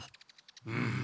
うん。